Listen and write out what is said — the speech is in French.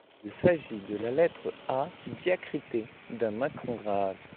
Il s'agit de la lettre A diacritée d'un macron-grave.